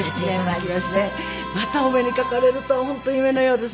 またお目にかかれるとは本当夢のようです。